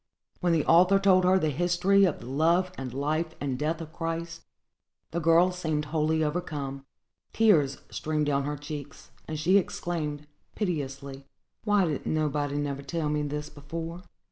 When the author told her the history of the love and life and death of Christ, the girl seemed wholly overcome; tears streamed down her cheeks; and she exclaimed, piteously, "Why didn't nobody never tell me this before?"